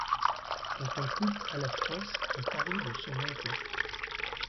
Quand on coupe à la France un pari de son manteau